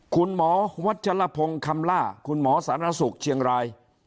คุณหมอวัชลพงศ์คำลาคุณหมอสาณสุขเชียงราย